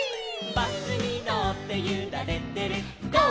「バスにのってゆられてるゴー！